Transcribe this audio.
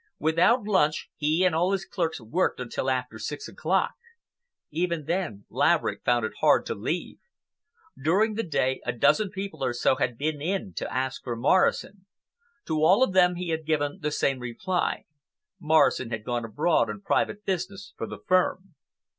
Without lunch, he and all his clerks worked until after six o'clock. Even then Laverick found it hard to leave. During the day, a dozen people or so had been in to ask for Morrison. To all of them he had given the same reply,—Morrison had gone abroad on private business for the firm.